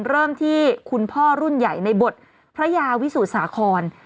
เริ่มที่คุณพ่อรุ่นใหญ่ในบทพระยาวิสุทสาคร